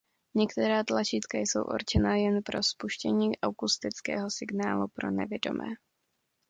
Některá tlačítka jsou určena jen pro spuštění akustického signálu pro nevidomé.